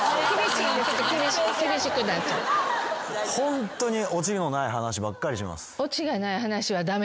ホントにオチのない話ばっかりします。